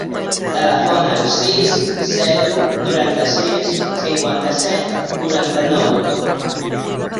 Telefona al sis, zero, noranta-sis, cinquanta-set, quaranta-nou.